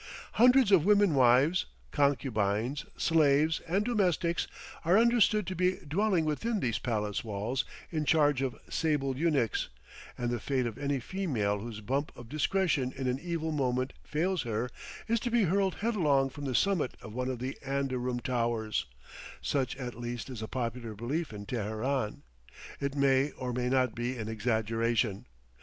Hundreds of women wives, concubines, slaves, and domestics are understood to be dwelling within these palace walls in charge of sable eunuchs, and the fate of any female whose bump of discretion in an evil moment fails her, is to be hurled headlong from the summit of one of the anderoon towers such, at least, is the popular belief in Teheran; it may or may not be an exaggeration.